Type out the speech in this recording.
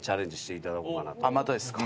またですか？